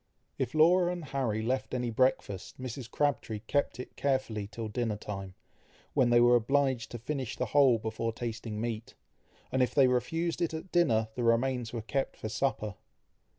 If Laura and Harry left any breakfast, Mrs. Crabtree kept it carefully till dinner time, when they were obliged to finish the whole before tasting meat; and if they refused it at dinner, the remains were kept for supper.